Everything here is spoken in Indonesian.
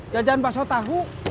jajan baso tahu